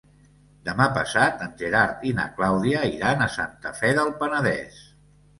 Demà passat en Gerard i na Clàudia iran a Santa Fe del Penedès.